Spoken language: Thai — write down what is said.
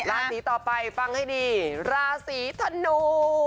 ราศีต่อไปฟังให้ดีราศีธนู